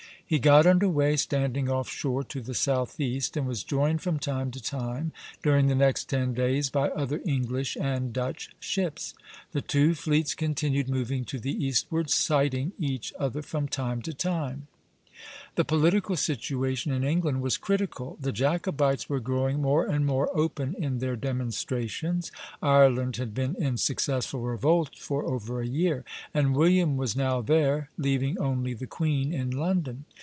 He got under way, standing off shore to the southeast, and was joined from time to time, during the next ten days, by other English and Dutch ships. The two fleets continued moving to the eastward, sighting each other from time to time. The political situation in England was critical. The Jacobites were growing more and more open in their demonstrations, Ireland had been in successful revolt for over a year, and William was now there, leaving only the queen in London.